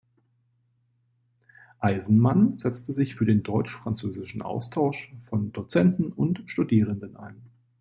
Eisenmann setzte sich für den deutsch-französischen Austausch von Dozenten und Studierenden ein.